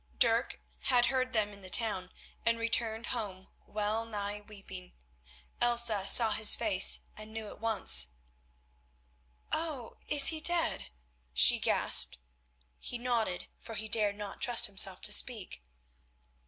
Dirk had heard them in the town, and returned home well nigh weeping. Elsa saw his face and knew at once. "Oh! is he dead?" she gasped. He nodded, for he dared not trust himself to speak.